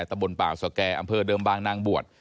ตะบนป่าสแก่อำเภอเดิมบางนางบวช